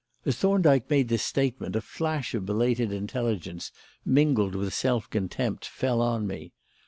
As Thorndyke made this statement a flash of belated intelligence, mingled with self contempt, fell on me.